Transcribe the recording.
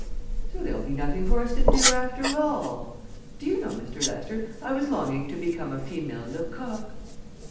"So there'll be nothing for us to do, after all! Do you know, Mr. Lester, I was longing to become a female Lecoq!"